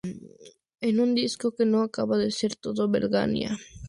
Es un disco que no acaba de ser todo lo Berlanga que debería ser.